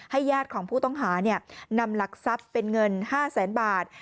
ญาติของผู้ต้องหานำหลักทรัพย์เป็นเงิน๕แสนบาท